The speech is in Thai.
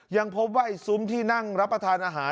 ยังพบว่าไอ้ซุ้มที่นั่งรับประทานอาหาร